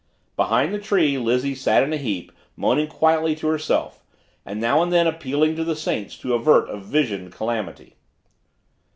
Behind the tree Lizzie sat in a heap, moaning quietly to herself, and now and then appealing to the saints to avert a visioned calamity.